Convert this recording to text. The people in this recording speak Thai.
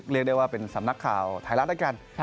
เรียกได้ว่าเป็นสำนักข่าวไทยรัฐ